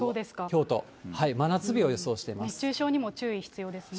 京都、熱中症にも注意、必要ですね。